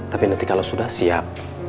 tapi nanti kalau sudah siap